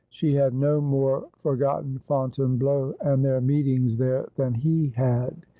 She had no more for gotten Fontainebleau and their meetings there than he had.